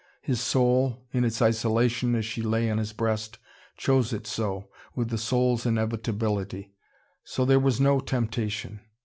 His soul, in its isolation as she lay on his breast, chose it so, with the soul's inevitability. So, there was no temptation.